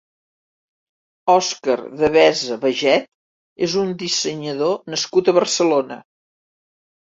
Òscar Devesa Bajet és un dissenyador nascut a Barcelona.